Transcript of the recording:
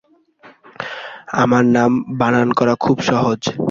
আমার নাম বানান করা খুব সহজ।